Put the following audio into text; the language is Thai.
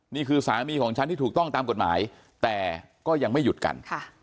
นี่คือสามีของฉันที่ถูกต้องตามกฎหมายแต่ก็ยังไม่หยุดกัน